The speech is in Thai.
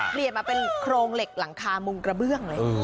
เปลี่ยนมาเป็นโครงเหล็กหลังคามุงกระเบื้องเลย